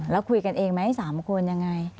แล้วคุยกันเองไหม๓คนยังไง